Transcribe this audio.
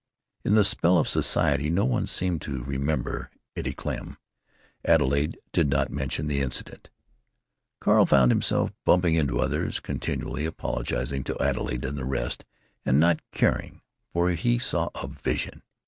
In the spell of society no one seemed to remember Eddie Klemm. Adelaide did not mention the incident. Carl found himself bumping into others, continually apologizing to Adelaide and the rest—and not caring. For he saw a vision!